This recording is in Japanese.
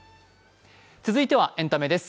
続いてはエンタメです。